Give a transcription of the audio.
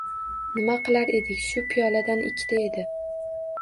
Nima qilar edik, shu piyoladan ikkita edi